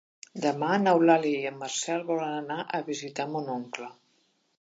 Demà n'Eulàlia i en Marcel volen anar a visitar mon oncle.